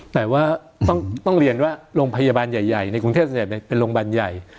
แต่ว่าต้องเรียนว่าโรงพยาบาลใหญ่ในกรุงเทพส่วนใหญ่เป็นโรงพยาบาลใหญ่